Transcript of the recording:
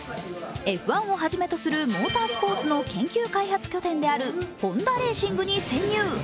Ｆ１をはじめとするモータースポーツの研究開発拠点であるホンダ・レーシングに潜入。